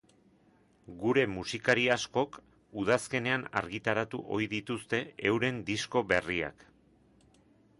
Gure musikari askok udazkenean argitaratu ohi dituzte euren disko berriak.